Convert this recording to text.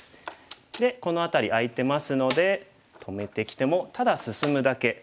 でこの辺り空いてますので止めてきてもただ進むだけ。